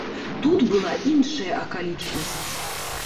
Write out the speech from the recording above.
Тут была іншая акалічнасць.